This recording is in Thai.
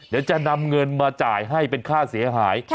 เดี๋ยวจะนำเงินมาจ่ายให้เป็นค่าเสียหาย